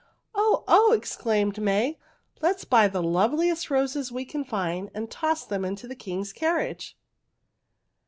"Oh! oh!" exclaimed May. "Let's buy the loveliest roses we can find and toss them into the king's carriage."